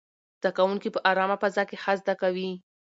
زده کوونکي په ارامه فضا کې ښه زده کوي.